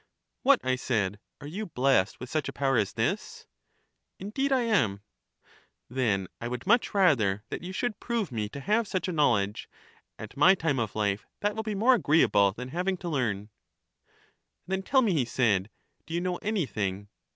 What, I said, are you blessed with such a power as this? Indeed I am. Then I would much rather that you should prove me to have such a knowledge ; at my time of life that will be more agreeable than having to learn. Then tell me, he said, do you know anything?